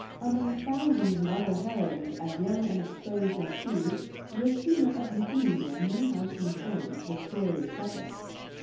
] Among thousands of other heroines, as young and exposed as she, Justina of Nico media knew how to employ this victorious weapon.